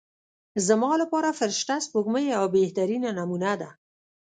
زما لپاره فرشته سپوږمۍ یوه بهترینه نمونه ده.